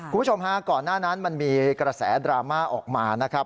คุณผู้ชมฮะก่อนหน้านั้นมันมีกระแสดราม่าออกมานะครับ